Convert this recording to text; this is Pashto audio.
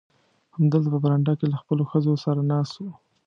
همدلته په برنډه کې له خپلو ښځو سره ناست و.